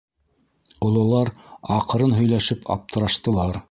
Ололар аҡрын һөйләшеп аптыраштылар: